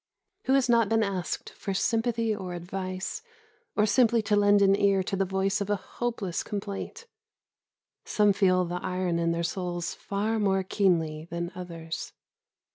Who has not been asked for sympathy or advice, or simply to lend an ear to the voice of a hopeless complaint? Some feel the iron in their souls far more keenly than others.